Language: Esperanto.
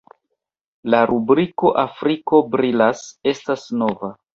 La rubriko "Afriko brilas" estas nova.